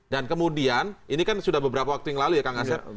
dan kemudian ini kan sudah beberapa waktu yang lalu ya kang aset